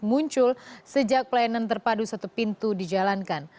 muncul sejak pelayanan terpadu satu pintu dijalankan